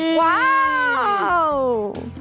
ว้าว